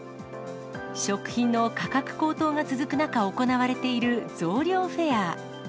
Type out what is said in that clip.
食品の価格高騰が続く中行われている増量フェア。